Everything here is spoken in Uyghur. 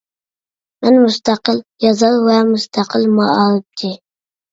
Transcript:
مەن مۇستەقىل يازار ۋە مۇستەقىل مائارىپچى.